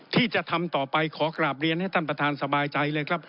ที่จะทำต่อไปขอกราบเรียนให้ท่านประธานสบายใจเลยครับ